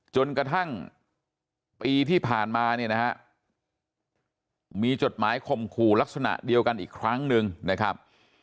จนกระทั่งปีที่ผ่านมาเนี่ยนะฮะมีจดหมายข่มขู่ลักษณะเดียวกันอีกครั้งหนึ่งนะครับ